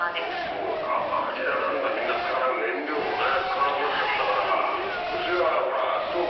そうか薪だ何だ燃料もね使わなくなっちゃったから。